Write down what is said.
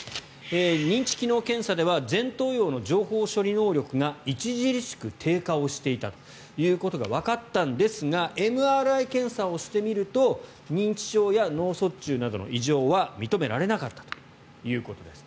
認知機能検査では前頭葉の情報処理能力が著しく低下をしていたということがわかったんですがＭＲＩ検査をしてみると認知症や脳卒中などの異常は認められなかったということです。